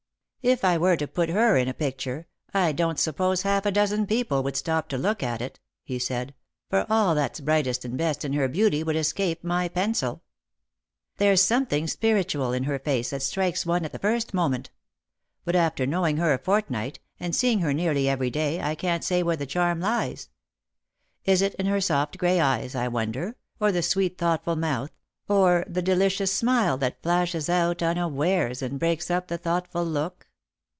" If I were to put her in a picture, I don't suppose half a dozen people would stop to look at it," he said ; "for all that's brightest and best in her beauty would escape my pencil. 64 Lost for Love. There's something spiritual in her face that strikes one at the first moment; but after knowing her a fortnight, and seeing her nearly every day, I can't say where the charm lies. Is it in her soft grey eyes, I wonder, or the sweet thoughtful mouth, or the delicious smile that flashes out unawares and breaks up the thoughtful look